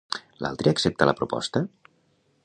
L'altre accepta la proposta?